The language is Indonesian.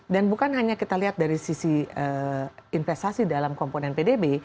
dan bukan hanya kita lihat dari sisi investasi dalam komponen pdb